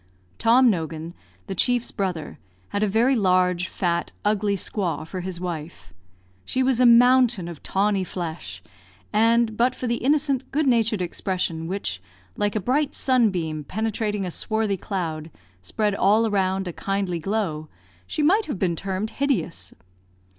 Tom Nogan, the chief's brother, had a very large, fat, ugly squaw for his wife. She was a mountain of tawny flesh; and, but for the innocent, good natured expression which, like a bright sunbeam penetrating a swarthy cloud, spread all around a kindly glow, she might have been termed hideous.